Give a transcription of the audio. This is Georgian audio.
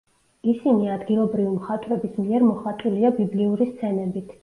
ისინი ადგილობრივი მხატვრების მიერ მოხატულია ბიბლიური სცენებით.